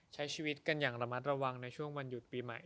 ใช้ชีวิตกันอย่างระมัดระวังในช่วงวันหยุดปีใหม่